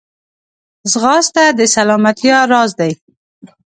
ځغاسته د سلامتیا راز دی